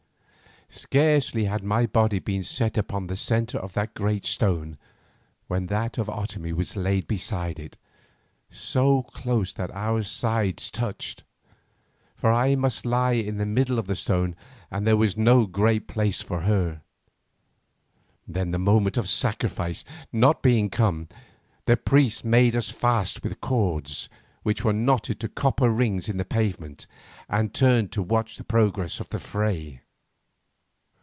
Scarcely had my body been set upon the centre of the great stone, when that of Otomie was laid beside it, so close that our sides touched, for I must lie in the middle of the stone and there was no great place for her. Then the moment of sacrifice not being come, the priests made us fast with cords which they knotted to copper rings in the pavement, and turned to watch the progress of the fray.